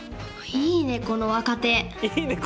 いいねこの若手。